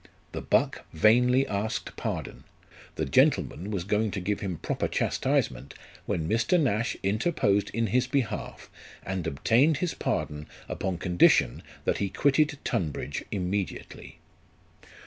The buck vainly asked pardon ; the gentleman was going to give him proper chastise ment, when Mr. Nash interposed in his behalf, and obtained his pardon upon condition that he quitted Tunbridge immediately.